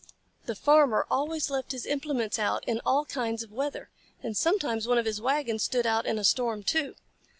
The Farmer always left his implements out in all kinds of weather, and sometimes one of his wagons stood out in a storm too.